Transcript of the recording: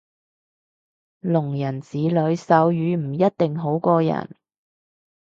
聾人子女手語唔一定好過人